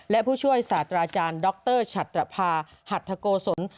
และผู้ช่วยศาสตราจารย์ดรชัตรภาหัทธโกศล